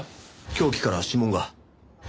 凶器から指紋が。